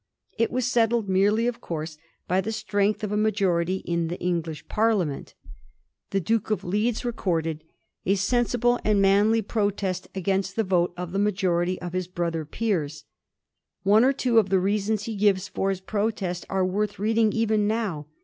It was settled merely of course by the strength of a majority in the English Parliament. The Duke of Leeds recorded a sensible Digiti zed by Google 234 A HISTORY OF TECE FOUR GEORGES. OH. X* and a manly protest againBt the vote of the majority of his brother Peers. One or two of the reasons he gives for his protest are worth reading even now.